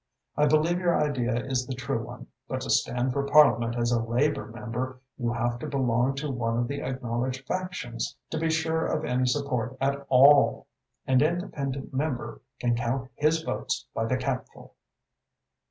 I believe your idea is the true one, but to stand for Parliament as a Labour member you have to belong to one of the acknowledged factions to be sure of any support at all. An independent member can count his votes by the capful."